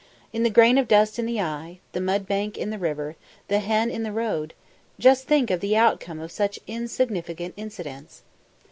The grain of dust in the eye; the mudbank in the river; the hen in the road! Just think of the outcome of such insignificant incidents.